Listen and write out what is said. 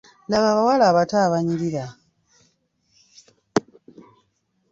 Laba abawala abato abanyirira.